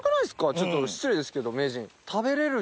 ちょっと失礼ですけど名人。